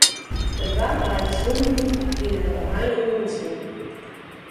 It doarp leit te slûgjen yn 'e oranje jûnssinne.